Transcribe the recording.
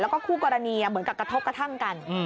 แล้วก็คู่กรณีเหมือนกับกระทบกระทั่งกัน